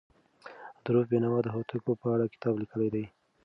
عبدالروف بېنوا د هوتکو په اړه کتاب لیکلی دی.